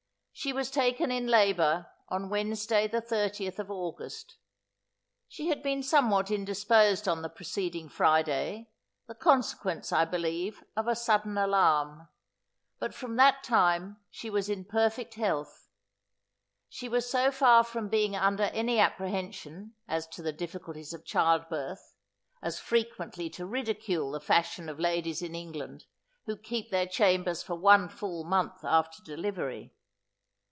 She was taken in labour on Wednesday, the thirtieth of August. She had been somewhat indisposed on the preceding Friday, the consequence, I believe, of a sudden alarm. But from that time she was in perfect health. She was so far from being under any apprehension as to the difficulties of child birth, as frequently to ridicule the fashion of ladies in England, who keep their chamber for one full month after delivery.